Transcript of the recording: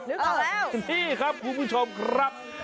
นี่ครับคุณผู้ชมครับ